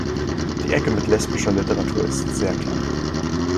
Die Ecke mit lesbischer Literatur ist sehr klein.